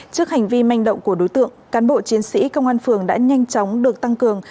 trước hành vi manh động của đối tượng cán bộ chiến sĩ công an phường đã nhanh chóng được tăng cường